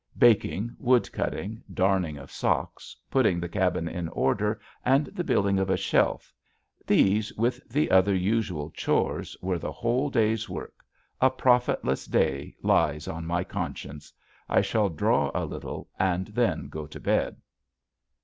Baking, wood cutting, darning of socks, putting the cabin in order, and the building of a shelf, these, with the other usual chores, were the whole day's work; a profitless day lies on my conscience. I shall draw a little and then go to bed.